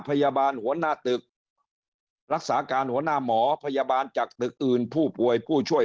หัวหน้าตึกรักษาการหัวหน้าหมอพยาบาลจากตึกอื่นผู้ป่วยผู้ช่วย